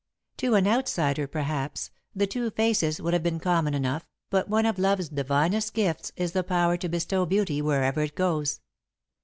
To an outsider, perhaps, the two faces would have been common enough, but one of love's divinest gifts is the power to bestow beauty wherever it goes.